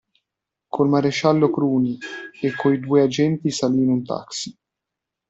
Col maresciallo Cruni e coi due agenti salì in un taxi.